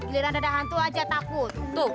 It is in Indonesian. giliran ada hantu aja takut